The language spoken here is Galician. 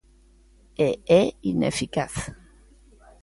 E é ineficaz.